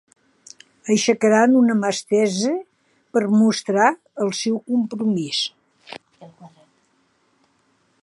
Aixecaran una mà estesa per mostrar el seu compromís.